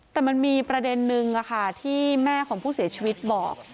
แต่มันมีประเด็นนึงที่แม่ของผู้เสียชีวิตบอก